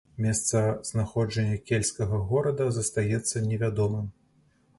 Месца знаходжання кельцкага горада застаецца невядомым.